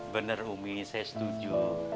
bener umi saya setuju